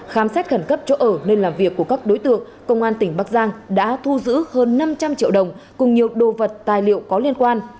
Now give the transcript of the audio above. khám xét khẩn cấp chỗ ở nơi làm việc của các đối tượng công an tỉnh bắc giang đã thu giữ hơn năm trăm linh triệu đồng cùng nhiều đồ vật tài liệu có liên quan